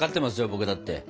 僕だって。